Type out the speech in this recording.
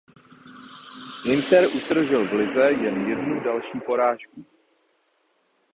Inter utržil v lize jen jednu další porážku.